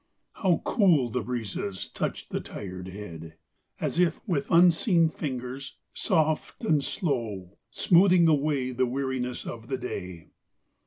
How cool the breezes touch the tired head! As if with unseen fingers, soft and slow, Smoothing away the weariness of day.